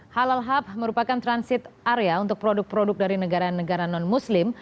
halal hub merupakan transit area untuk produk produk dari negara negara non muslim